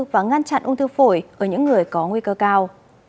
và ngăn chặn ung thư phổi ở những người có nguy cơ cao